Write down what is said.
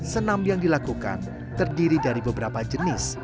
senam yang dilakukan terdiri dari beberapa jenis